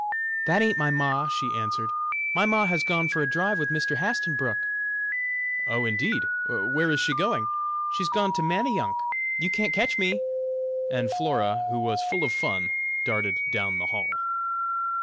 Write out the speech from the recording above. "That ain't my ma!" she answered. "My ma has gone for a drive with Mr. Hastenbrook!" "Oh, indeed! Where is she going?" "She's gone to Manayunk! You can't catch me!" And Flora, who was full of fun, darted down the hall.